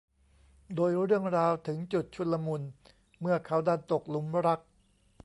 โดยเรื่องราวถึงจุดชุลมุนเมื่อเขาดันตกหลุมรัก